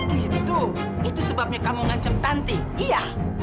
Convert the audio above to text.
oh itu itu sebabnya kamu ngancem tanti iya